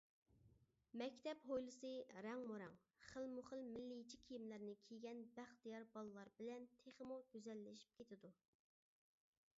مەكتەپ ھويلىسى رەڭمۇرەڭ، خىلمۇخىل مىللىيچە كىيىملەرنى كىيگەن بەختىيار بالىلار بىلەن تېخىمۇ گۈزەللىشىپ كېتىدۇ.